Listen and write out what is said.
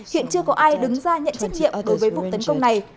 hiện chưa có ai đứng ra nhận trách nhiệm đối với vụ tấn công này